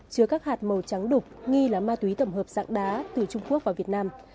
chứa các hạt màu trắng đục nghi là ma túy tổng hợp dạng đá từ trung quốc vào việt nam